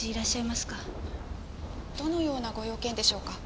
どのようなご用件でしょうか？